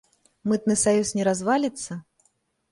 Мытны саюз не разваліцца?